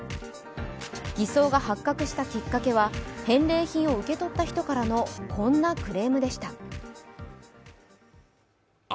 偽装が発覚したきっかけは返礼品を受け取った人からのこんなクレームでした。